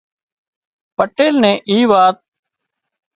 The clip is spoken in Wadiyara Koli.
پٽيل نين اي وات